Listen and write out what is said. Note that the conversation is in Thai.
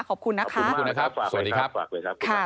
ขอบคุณนะคะขอบคุณมากสวัสดีครับ